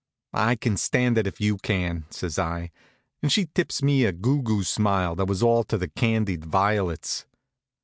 "I can stand it if you can," says I, and she tips me a goo goo smile that was all to the candied violets.